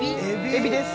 エビです。